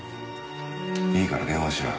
いいから電話しろよ。